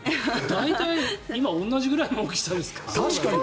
大体今同じぐらいの大きさですか？